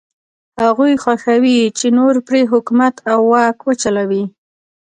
هغوی خوښوي چې نور پرې حکومت او واک وچلوي.